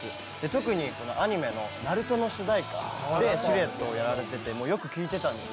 特にアニメの「ＮＡＲＵＴＯ」の主題歌で「シルエット」をやられててよく聴いてたんですよ。